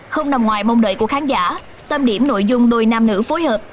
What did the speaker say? không nằm ngoài mong đợi của khán giả tâm điểm nội dung đôi nam nữ phối hợp